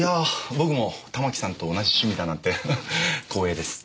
僕もたまきさんと同じ趣味だなんて光栄です。